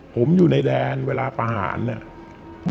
ผมอยู่ในแดนเวลาประหารเนี่ย